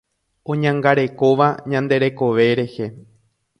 Oñangarekóva ñande rekove rehe.